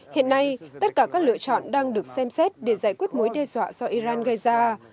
hiện nay tất cả các lựa chọn đang được xem xét để giải quyết mối đe dọa do iran gây ra